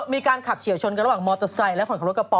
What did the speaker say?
มีการขับเฉียวชนระหว่างมอเตอร์ไซค์และคนขับรถกะป๋อ